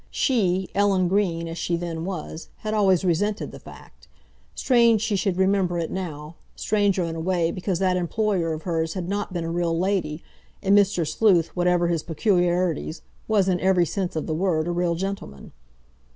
She, Ellen Green, as she then was, had always resented the fact. Strange she should remember it now, stranger in a way because that employer of her's had not been a real lady, and Mr. Sleuth, whatever his peculiarities, was, in every sense of the word, a real gentleman.